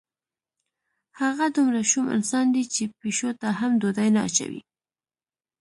هغه دومره شوم انسان دی چې پیشو ته هم ډوډۍ نه اچوي.